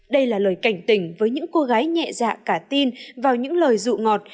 đây là lời cảnh tỉnh với những cô gái nhẹ dạ cả tin vào những lời dụ ngọt